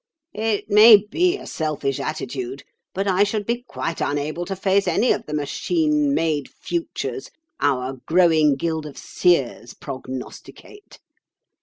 It may be a selfish attitude, but I should be quite unable to face any of the machine made futures our growing guild of seers prognosticate.